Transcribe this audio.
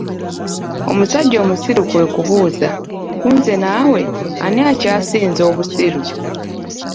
Omusajja omusiru kwe kubuuza ,kunze nawe, ani akyasinze obusiru?